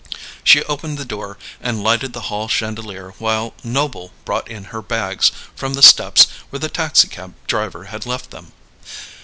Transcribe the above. She opened the door, and lighted the hall chandelier while Noble brought in her bags from the steps where the taxicab driver had left them.